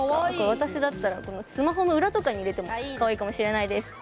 私だったらスマホの裏とかに入れてもかわいいかもしれないです。